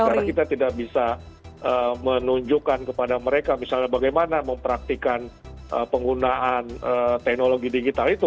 karena kita tidak bisa menunjukkan kepada mereka misalnya bagaimana mempraktikan penggunaan teknologi digital itu